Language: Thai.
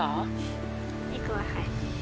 ไม่กลัวค่ะ